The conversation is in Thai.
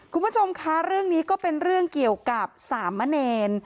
คุณผู้ชมคะเรื่องนี้ก็เป็นเรื่องเกี่ยวกับสามเณร